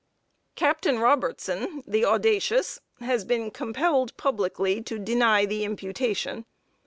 Captain Robertson, the "audacious," has been compelled, publicly, to deny the imputation.